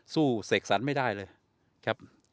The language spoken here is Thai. สู้เสกสันไม่ได้เลยครับ